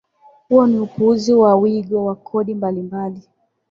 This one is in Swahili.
Huo ni upanuzi wa wigo wa kodi mbalimbali